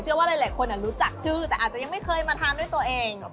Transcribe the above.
ว่าหลายคนรู้จักชื่อแต่อาจจะยังไม่เคยมาทานด้วยตัวเอง